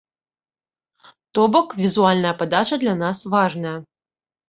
То бок, візуальная падача для нас важная.